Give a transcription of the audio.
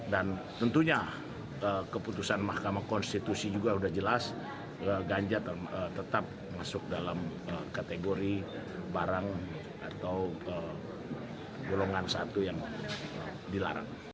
dan tentunya keputusan mahkamah konstitusi juga sudah jelas ganja tetap masuk dalam kategori barang atau golongan satu yang dilarang